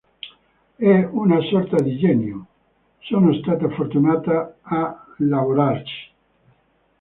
È una sorta di genio, sono stata fortunata a lavorarci.